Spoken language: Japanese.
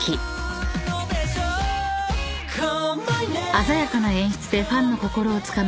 ［鮮やかな演出でファンの心をつかむ